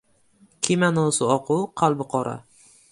• Kimonosi oq-u, qalbi qora.